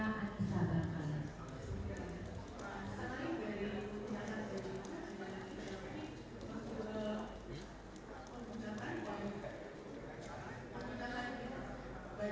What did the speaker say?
saudara menantang mobil elektrisnya